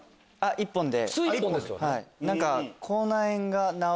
１本で。